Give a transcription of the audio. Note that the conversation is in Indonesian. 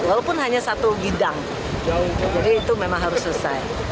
walaupun hanya satu bidang jadi itu memang harus selesai